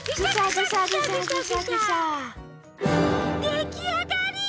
できあがり！